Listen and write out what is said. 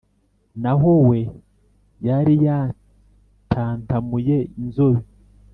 naho we yari yatantamuye inzobe,